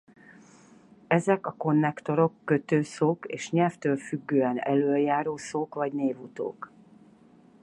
Ezek a konnektorok kötőszók és nyelvtől függően elöljárószók vagy névutók.